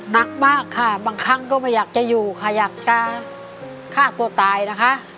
หนักมากค่ะบางครั้งก็ไม่อยากจะอยู่ค่ะอยากจะฆ่าตัวตายนะคะ